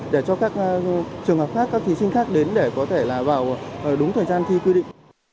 để cho các trường hợp khác các thí sinh khác đến để có thể là vào đúng thời gian thi quy định